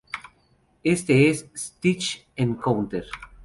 Esta es Stitch Encounter.